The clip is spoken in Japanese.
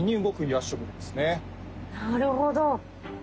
なるほど。